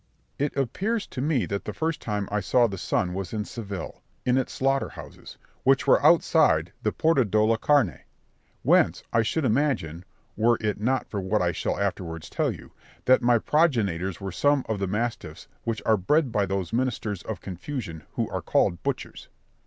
Berg. It appears to me that the first time I saw the sun was in Seville, in its slaughter houses, which were outside the Puerta do la Carne; wence I should imagine (were it not for what I shall afterwards tell you) that my progenitors were some of those mastiff's which are bred by those ministers of confusion who are called butchers.